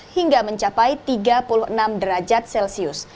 hingga mencapai tiga puluh enam derajat celcius